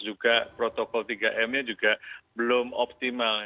juga protokol tiga m nya juga belum optimal